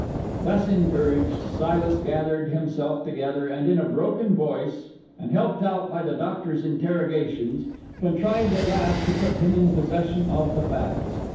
Thus encouraged, Silas gathered himself together, and in a broken voice, and helped out by the Doctor's interrogations, contrived at last to put him in possession of the facts.